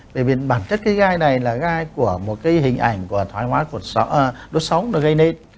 bởi vì bản chất cái gai này là gai của một cái hình ảnh của thoái hóa đốt sống gây nên